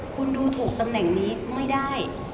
คุณดูถูกตำแหน่งนี้ไม่ได้